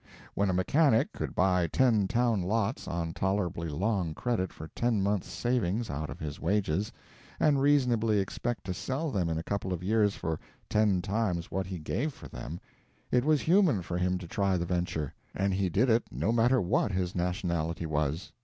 When a mechanic could buy ten town lots on tolerably long credit for ten months' savings out of his wages, and reasonably expect to sell them in a couple of years for ten times what he gave for them, it was human for him to try the venture, and he did it no matter what his nationality was.